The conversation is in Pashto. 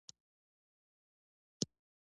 هر څوک چې راځي، بېرته ځي.